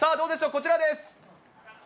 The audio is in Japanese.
こちらです。